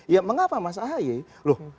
ya mengapa mas ahy loh